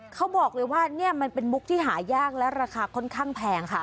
เขาบอกเลยว่านี่มันเป็นมุกที่หายากและราคาค่อนข้างแพงค่ะ